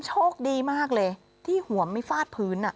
โชคดีมากเลยที่หัวไม่ฟาดพื้น